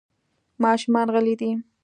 ماشومان غلي دي .